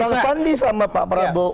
bang sandi sama pak prabowo